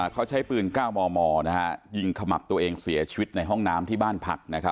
เขาใช้ปืน๙มมยิงขมับตัวเองเสียชีวิตในห้องน้ำที่บ้านพัก